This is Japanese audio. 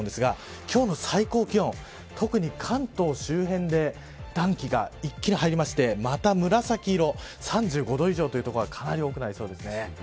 今日の最高気温特に関東周辺で暖気が一気に入りましてまた紫色、３５度の所がかなり多くなりそうです。